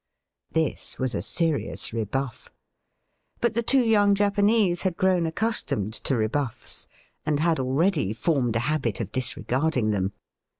This was a serious rebuff. But the two young Japanese had grown accustomed to rebuffs, and had already formed a habit of disregarding them.